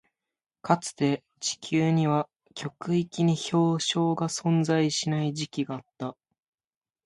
かつて、地球には極域に氷床が存在しない時期があった。